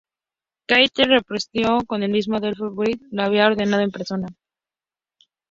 Keitel respondió que el mismo Adolf Hitler lo había ordenado en persona.